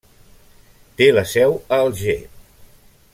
Té la seu a Alger.